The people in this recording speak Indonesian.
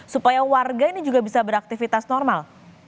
supaya warga ini juga bisa beraktivitas normal